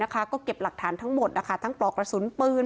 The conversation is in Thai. ก็เก็บหลักฐานทั้งหมดทั้งปลอกกระสุนปืน